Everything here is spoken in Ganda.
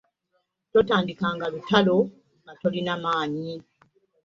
Totandikanga lutalo nga tolina maanyi.